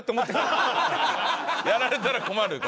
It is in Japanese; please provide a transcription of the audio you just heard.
やられたら困るんだ。